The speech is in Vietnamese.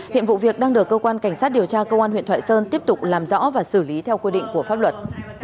hiện vụ việc đang được cơ quan cảnh sát điều tra công an huyện thoại sơn tiếp tục làm rõ và xử lý theo quy định của pháp luật